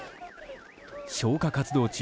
消火活動中